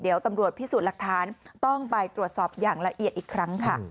เดี๋ยวตำรวจพิสูจน์หลักฐานต้องไปตรวจสอบอย่างละเอียดอีกครั้งค่ะ